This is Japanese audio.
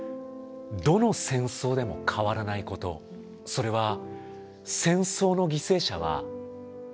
どの戦争でも変わらないことそれは戦争の犠牲者は子どもたち。